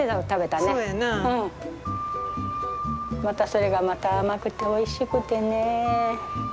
またそれがまた甘くておいしくてね。